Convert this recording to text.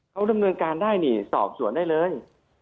เขาดำเนินการได้นี่สอบสวนได้เลย